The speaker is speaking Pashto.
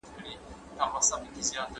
ولي خلګ په ناحقه مال خوري؟